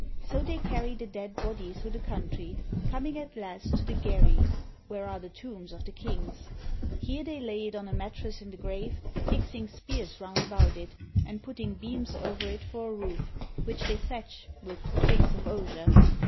So they carry the dead body through the country, coming at last to the Gerrhi, where are the tombs of the kings. Here they lay it on a mat tress in the grave, fixing spears round about it, and put ting beams over it for a roof, which they thatch with twigs of osier.